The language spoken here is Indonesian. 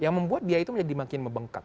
yang membuat biaya itu menjadi makin membosankan